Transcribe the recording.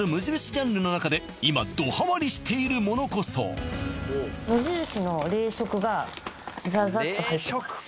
ジャンルの中で今どハマりしているものこそがざざっと入ってます